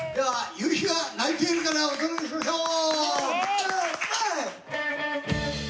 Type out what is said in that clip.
『夕陽が泣いている』からお届けしましょう！